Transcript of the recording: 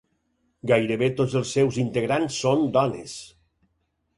Gairebé tots els seus integrants són dones.